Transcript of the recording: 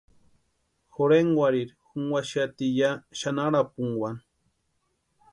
Jorhenkwarhiri junkwaxati ya xanharapunkwani.